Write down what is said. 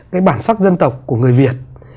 cái bản sắc dân tộc của người việt